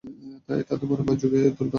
তাই তাদের মনে ভয় জাগিয়ে তুলতে হবে।